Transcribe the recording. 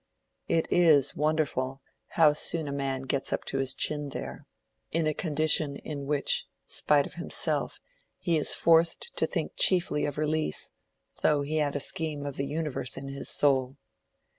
It is wonderful how soon a man gets up to his chin there—in a condition in which, in spite of himself, he is forced to think chiefly of release, though he had a scheme of the universe in his soul.